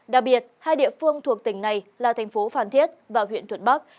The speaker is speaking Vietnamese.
đặc biệt hai địa phương thuộc tỉnh này là thành phố phan thiết và huyện thuận bắc